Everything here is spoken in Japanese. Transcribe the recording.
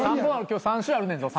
今日３週あるねんぞ。